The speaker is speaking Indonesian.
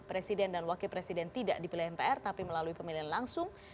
presiden dan wakil presiden tidak dipilih mpr tapi melalui pemilihan langsung